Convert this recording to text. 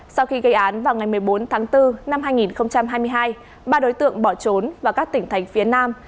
sau khi gây án vào ngày một mươi bốn tháng bốn năm hai nghìn hai mươi hai ba đối tượng bỏ trốn vào các tỉnh thành phía nam